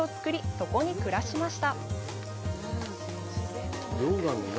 そこに暮らしました。